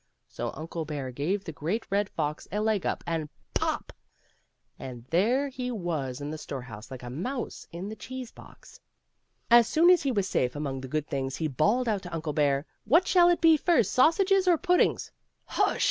So Uncle Bear gave the Great Red Fox a leg up, and — pop! — and there he was in the storehouse like a mouse in the cheese box. As soon as he was safe among the good things he bawled out to Uncle Bear," What shall it be first, sausages or puddings?" "JHush!